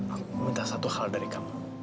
aku minta satu hal dari kamu